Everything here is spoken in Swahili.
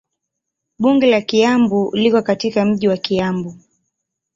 Bunge la Kiambu liko katika mji wa Kiambu.